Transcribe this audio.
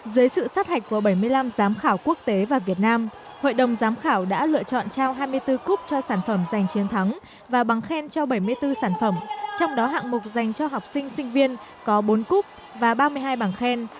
dưới sự sát hạch của bảy mươi năm giám khảo quốc tế và việt nam hội đồng giám khảo đã lựa chọn trao hai mươi bốn cúp cho sản phẩm giành chiến thắng và bằng khen cho bảy mươi bốn sản phẩm trong đó hạng mục dành cho học sinh sinh viên có bốn cúp và ba mươi hai bằng khen